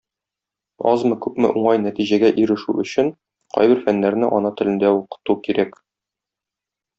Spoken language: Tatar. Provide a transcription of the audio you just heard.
Азмы-күпме уңай нәтиҗәгә ирешү өчен, кайбер фәннәрне ана телендә укыту кирәк.